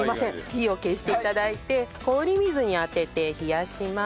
火を消して頂いて氷水に当てて冷やします。